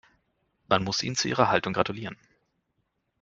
Man muss ihnen zu ihrer Haltung gratulieren.